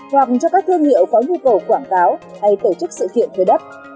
hoặc cho các thương hiệu có nhu cầu quảng cáo hay tổ chức sự kiện thuê đất